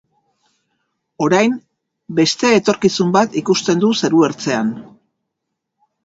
Orain, beste etorkizun bat ikusten du zeruertzean.